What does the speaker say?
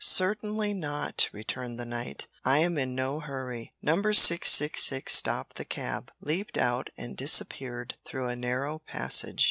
"Certainly not," returned the knight, "I am in no hurry." Number 666 stopped the cab, leaped out and disappeared through a narrow passage.